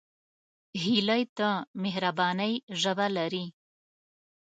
هیلۍ د مهربانۍ ژبه لري